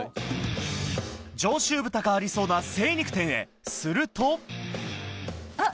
上州豚がありそうな精肉店へするとあっ！